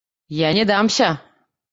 я не дамся!.."